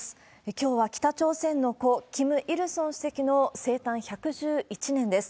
きょうは北朝鮮の故・キム・イルソン主席の生誕１１１年です。